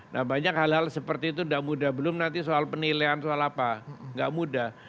nah banyak hal hal seperti itu tidak mudah belum nanti soal penilaian soal apa nggak mudah